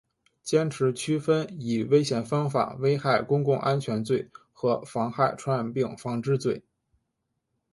坚持区分以危险方法危害公共安全罪和妨害传染病防治罪